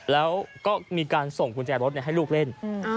แล้วก็มีการส่งกุญแจรถให้ลูกเล่น